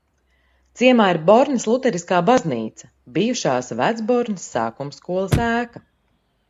Ciemā ir Bornes luteriskā baznīca, bijušās Vecbornes sākumskolas ēka.